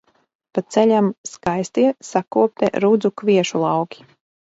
Pa ceļam skaistie, sakoptie rudzu, kviešu lauki.